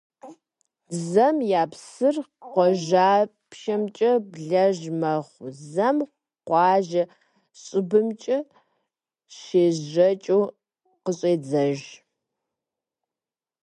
Зэм я псыр къуажапщэмкӀэ блэж мэхъу, зэм къуажэ щӀыбымкӀэ щежэхыу къыщӀедзыж.